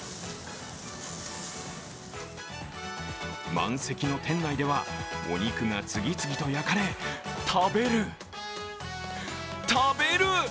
満席の店内では、お肉が次々と焼かれ、食べる、食べる。